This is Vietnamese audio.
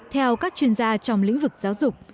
theo các chuyên gia trong lĩnh vực giáo dục